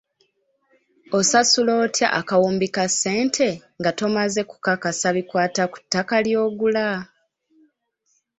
Osasula otya akawumbi ka ssente nga tomaze kukakasa bikwata ku ttaka ly'ogula?